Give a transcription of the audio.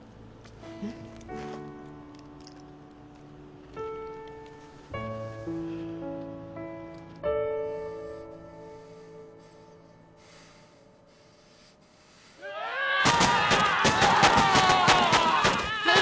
うんうわッ